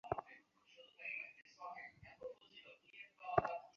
এভানস্টনের Mr Bradley, যাঁর সঙ্গে তোমার এভানস্টনে সাক্ষাৎ হয়েছিল, এখানে ছিলেন।